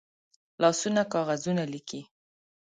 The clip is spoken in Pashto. لاسونه کاغذونه لیکي